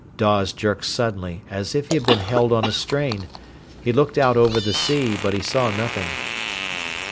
Dawes jerked suddenly, as if he had been held on a strain. He looked out over the sea, but he saw nothing.